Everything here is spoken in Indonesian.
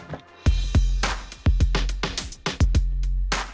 ketua ketua yang akan mundur sebagai ketua